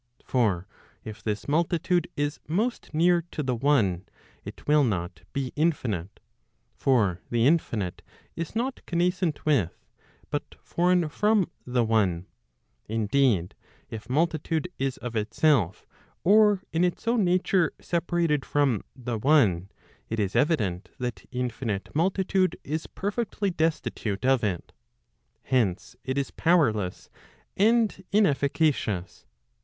For if this multitude is most near to the one it will not be infinite. For the infinite is not connascent with, but foreign from the one. Indeed, if multitude is of itself, or in its own nature, separated from the one t it is evident that infinite multitude is perfectly destitute of it. Hence it is powerless, and inefficacious.